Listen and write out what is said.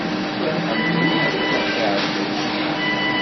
Ḥemmlen akk tiɛleǧtin.